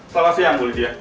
selamat siang bu lydia